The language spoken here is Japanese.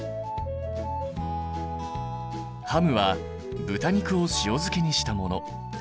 ハムは豚肉を塩漬けにしたもの。